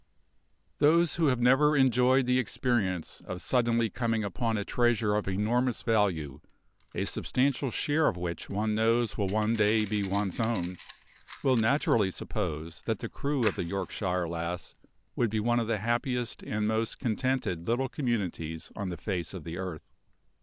Those who have never enjoyed the experience of suddenly coming upon a treasure of enormous value, a substantial share of which one knows will one day be one's own, will naturally suppose that the crew of the Yorkshire Lass would be one of the happiest and most contented little communities on the face of the earth.